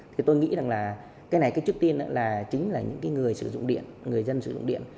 thì tôi nghĩ rằng là cái này cái trước tiên là chính là những cái người sử dụng điện người dân sử dụng điện